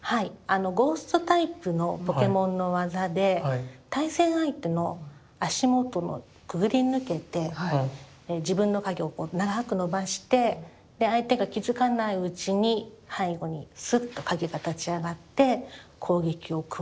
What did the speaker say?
ゴーストタイプのポケモンの技で対戦相手の足元をくぐり抜けて自分の影を長く伸ばしてで相手が気付かないうちに背後にスッと影が立ち上がって攻撃を加える。